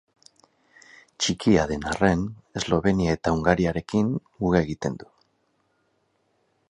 Txikia den arren Eslovenia eta Hungariarekin muga egiten du.